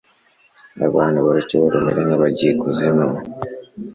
abantu baruce barumire nk'abagiye ikuzimu